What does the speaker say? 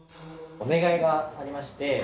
お願いがありまして。